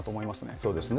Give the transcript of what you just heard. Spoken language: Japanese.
そうですね。